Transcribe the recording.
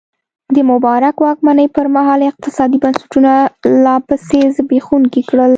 د مبارک واکمنۍ پرمهال اقتصادي بنسټونه لا پسې زبېښونکي کړل.